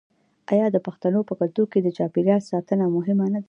آیا د پښتنو په کلتور کې د چاپیریال ساتنه مهمه نه ده؟